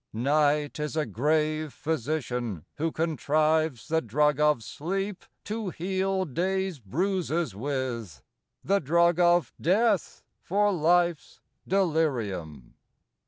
IV Night is a grave physician, who contrives The drug of sleep to heal day's bruises with, The drug of death for life's delirium.